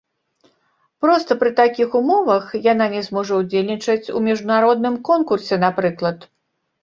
Проста пры такіх умовах яна не зможа ўдзельнічаць у міжнародным конкурсе, напрыклад.